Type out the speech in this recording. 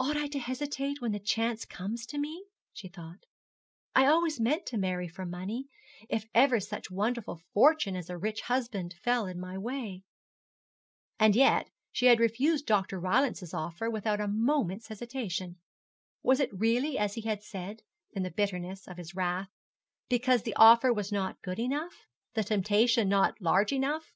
'Ought I to hesitate when the chance comes to me?' she thought. 'I always meant to marry for money, if ever such wonderful fortune as a rich husband fell in my way.' And yet she had refused Dr. Rylance's offer, without a moment's hesitation. Was it really as he had said, in the bitterness of his wrath, because the offer was not good enough, the temptation not large enough?